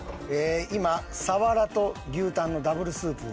今サワラと牛タンのダブルスープを。